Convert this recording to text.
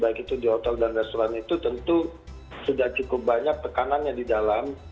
baik itu di hotel dan restoran itu tentu sudah cukup banyak tekanannya di dalam